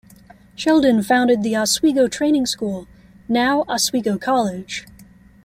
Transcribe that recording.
Sheldon founded the Oswego Training School, now Oswego College.